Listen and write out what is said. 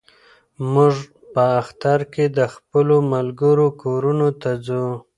موږ په اختر کې د خپلو ملګرو کورونو ته ځو.